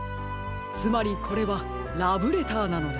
つまりこれはラブレターなのです。